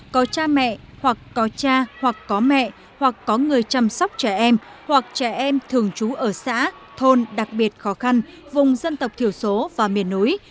có cha mẹ hoặc có cha hoặc có mẹ hoặc có người chăm sóc trẻ em hoặc trẻ em thường trú ở xã thôn đặc biệt khó khăn vùng dân tộc thiểu số và miền núi